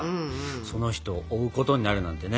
その人を追うことになるなんてね。